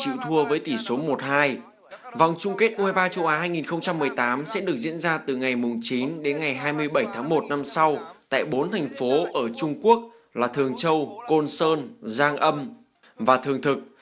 u hai mươi ba châu á hai nghìn một mươi tám sẽ được diễn ra từ ngày chín đến ngày hai mươi bảy tháng một năm sau tại bốn thành phố ở trung quốc là thường châu côn sơn giang âm và thường thực